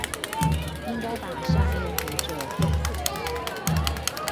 應該把下列何者做為學習重點？